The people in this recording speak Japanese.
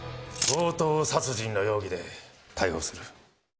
強盗殺人の容疑で逮捕する。